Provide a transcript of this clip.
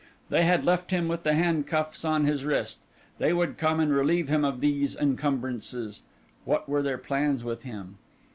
They had left him with the handcuffs on his wrists; they would come and relieve him of these encumbrances. What were their plans with him?